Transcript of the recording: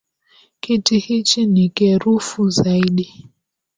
Kiti hichi ni kerufu zaidi